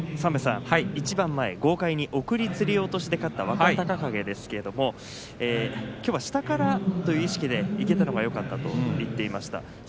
一番前、豪快に送りつり落としで勝った若隆景ですけれどもきょうは下からという意識でいけたのがよかったと言っていました。